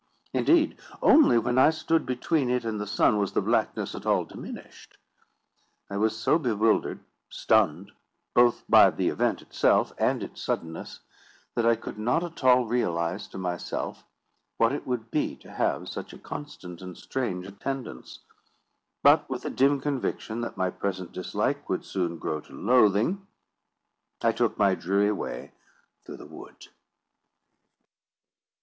Indeed, only when I stood between it and the sun, was the blackness at all diminished. I was so bewildered—stunned—both by the event itself and its suddenness, that I could not at all realise to myself what it would be to have such a constant and strange attendance; but with a dim conviction that my present dislike would soon grow to loathing, I took my dreary way through the wood.